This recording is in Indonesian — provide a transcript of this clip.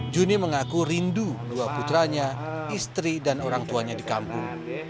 juni mengaku rindu dua putranya istri dan orang tuanya di kampung